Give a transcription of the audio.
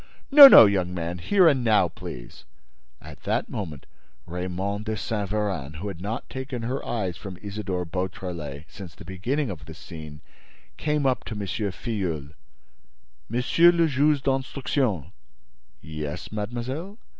"No, no, young man, here and now, please." At that moment Raymonde de Saint Véran, who had not taken her eyes from Isidore Beautrelet since the beginning of this scene, came up to M. Filleul: "Monsieur le Juge d'Instruction—" "Yes, mademoiselle?"